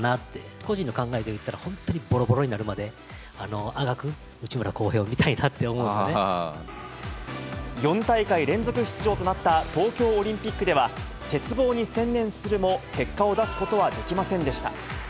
個人の考えで言ったら、本当にぼろぼろになるまであがく内村航平を見たいなって思うんで４大会連続出場となった東京オリンピックでは、鉄棒に専念するも結果を出すことはできませんでした。